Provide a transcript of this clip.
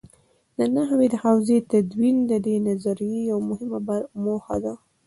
د نحوې د حوزې تدوین د دې نظریې یوه مهمه موخه ده.